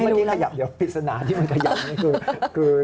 เมื่อกี้ขยับเดี๋ยวภิกษณะที่มันขยับนี่คือ